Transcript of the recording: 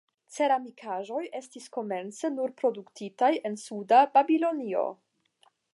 Ceramikaĵoj estis komence nur produktitaj en suda Babilonio.